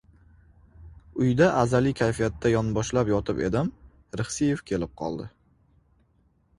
Uyda azali kayfiyatda yonboshlab yotib edim, Rixsiyev kelib qoldi.